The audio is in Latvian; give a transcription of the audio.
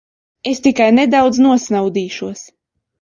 Es tikai nedaudz nosnaudīšos.